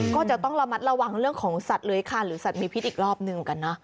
ก็จะต้องระมัดระวังเรื่องของสัตว์เลื้อยคานหรือสัตว์มีพิษอีกรอบหนึ่งเหมือนกันนะ